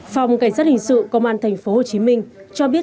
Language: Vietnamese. phòng cảnh sát hình sự công an tp hcm cho biết